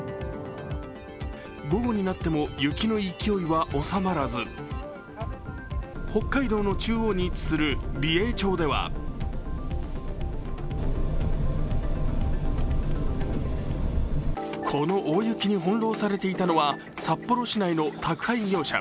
午後になっても雪の勢いは収まらず北海道の中央に位置する美瑛町ではこの大雪に翻弄されていたのは札幌市内の宅配業者。